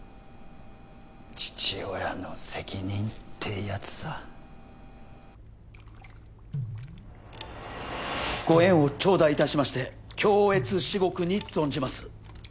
父親の責任ってやつさご縁をちょうだいいたしまして恐悦至極に存じます